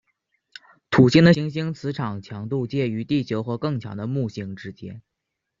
土星的行星磁场强度介于地球和更强的木星之间。